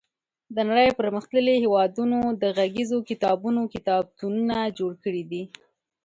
د نړۍ پرمختللي هېوادونو د غږیزو کتابونو کتابتونونه جوړ کړي دي.